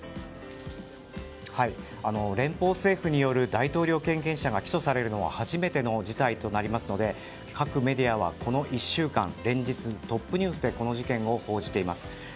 連邦政府による大統領経験者が起訴されるのは初めての事態となりますので各メディアはこの１週間連日トップニュースでこの事件を報じています。